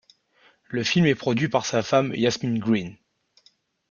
Le film est produit par sa femme Yasmin Green.